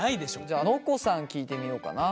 じゃあのこさん聞いてみようかな。